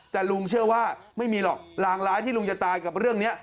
แต่ลุงเชื่อว่าไม่มีหรอกรางร้ายที่ลุงจะตายกับเรื่องนี้